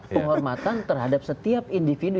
penghormatan terhadap setiap individu